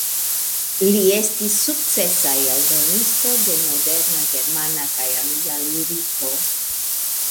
Li estis sukcesa eldonisto de moderna germana kaj alia liriko.